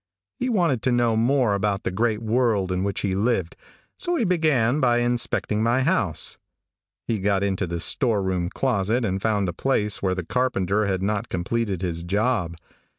He wanted to know more about the great world in which he lived, so he began by inspecting my house. He got into the store room closet and found a place where the carpenter had not completed his job.